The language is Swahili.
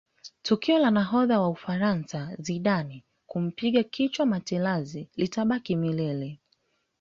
tukio la nahodha wa ufaransa zidane kumpiga kichwa materazi litabaki milele